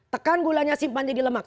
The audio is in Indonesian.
tekan gulanya simpan jadi lemak